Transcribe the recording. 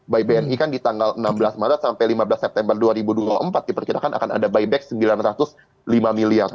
by bni kan di tanggal enam belas maret sampai lima belas september dua ribu dua puluh empat diperkirakan akan ada by back sembilan ratus lima miliar